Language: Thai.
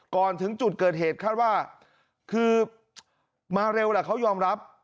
ก่อนถึงจุดเกิดเหตุคาดว่าคือมาเร็วแหละเขายอมรับ